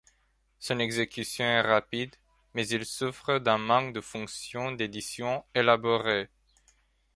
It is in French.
Son exécution est rapide mais il souffre d'un manque de fonctions d'édition élaborées.